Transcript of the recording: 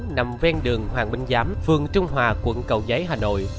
nằm ven đường hoàng minh giám phường trung hòa quận cầu giấy hà nội